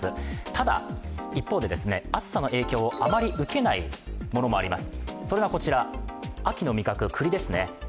ただ、一方で、暑さの影響、あまり受けないものもあります。